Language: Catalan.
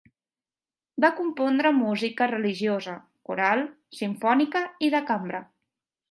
Va compondre música religiosa, coral, simfònica i de cambra.